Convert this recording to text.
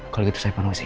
kalau gitu saya panuh sih